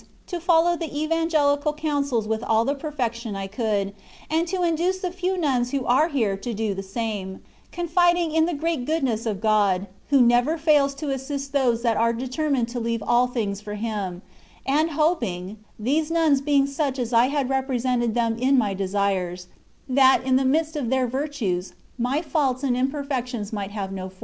to follow the evangelical counsels with all the perfection I could, and to induce the few nuns who are here t» do the same, confiding in the great goodness of God, who never fails to assist those that are determined to leave all things for Him ; and hoping (these nuns being such as I had represented them in my desires) that, in the midst of their virtues, my faults and imperfections miglit have no.